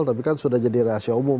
tapi kan sudah jadi rahasia umum